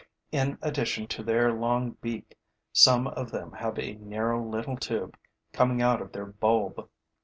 In addition to their long beak, some of them have a narrow little tube coming out of their bulb.